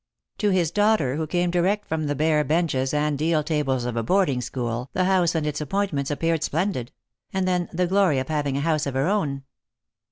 To his daughter, who came direct from the bare benches and deal tables of a boarding school, the house and its appointments appeared splendid; and then the glory of having a house of her own